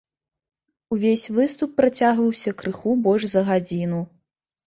Увесь выступ працягваўся крыху больш за гадзіну.